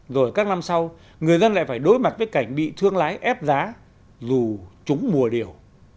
rồi các năm sau người dân lại phải đối mặt với cảnh bị thương lái ép giá dù trúng mùa điều